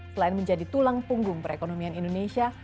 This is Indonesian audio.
selain menjadi tulang punggung perekonomian indonesia